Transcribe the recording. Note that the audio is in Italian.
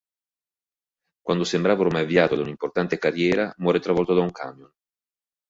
Quando sembrava ormai avviato ad una importante carriera, muore travolto da un camion.